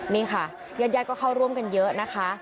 นี่ค่ะญาติก็เข้าร่วมกันเยอะนะคะ